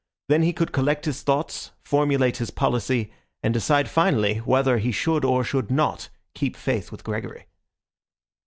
Then he could collect his thoughts, formulate his policy, and decide finally whether he should or should not keep faith with Gregory.